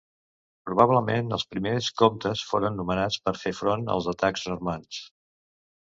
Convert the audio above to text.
Probablement els primers comtes foren nomenats per fer front als atacs normands.